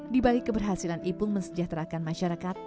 di balik keberhasilan ipung mensejahterakan masyarakat